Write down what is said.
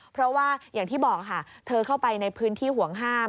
เพราะว่าอย่างที่บอกค่ะเธอเข้าไปในพื้นที่ห่วงห้าม